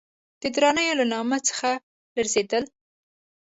د درانیو له نامه څخه لړزېدل.